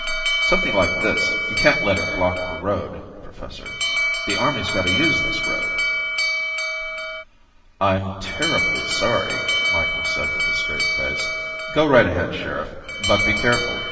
"Something like this, you can't let it block the road, Professor. The Army's gotta use this road." "I'm terribly sorry," Micheals said with a straight face. "Go right ahead, Sheriff. But be careful.